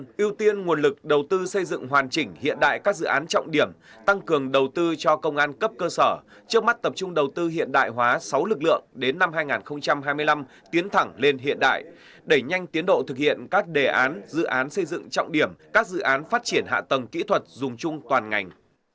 chúng tiên nguồn lực đầu tư xây dựng hoàn chỉnh hiện đại các dự án trọng điểm tăng cường đầu tư cho công an cấp cơ sở trước mắt tập trung đầu tư hiện đại hóa sáu lực lượng đến năm hai nghìn hai mươi năm tiến thẳng lên hiện đại đẩy nhanh tiến độ thực hiện các đề án dự án xây dựng trọng điểm các dự án phát triển hạ tầng kỹ thuật dùng chung toàn ngành